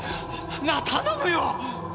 なあ頼むよ！